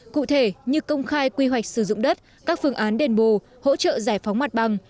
cụ thể như công khai quy hoạch sử dụng đất các phương án đền bù hỗ trợ giải phóng mặt bằng